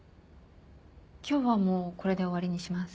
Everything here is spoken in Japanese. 今日はもうこれで終わりにします。